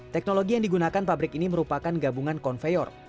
teknologi yang digunakan pabrik ini merupakan gabungan konveyor